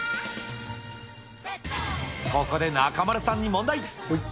ここで中丸さんに問題。